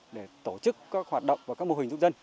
để tổ chức các hoạt động và các mô hình dụng dạy